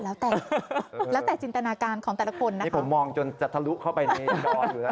แล้วแต่แล้วแต่จินตนาการของแต่ละคนนะนี่ผมมองจนจะทะลุเข้าไปในดออยู่แล้ว